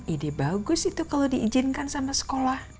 ide bagus itu kalau diizinkan sampai sekolah